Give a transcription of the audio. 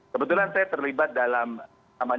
kebetulan saya terlibat dalam